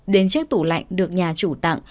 đến chiếc tủ lạnh được nhà chủ tặng